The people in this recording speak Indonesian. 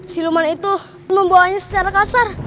siluman itu membawanya secara kasar